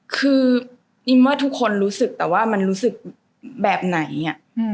คืออิมว่าทุกคนรู้สึกแต่ว่ามันรู้สึกแบบไหนอ่ะ